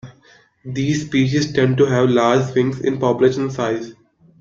These species tend to have large swings in population size.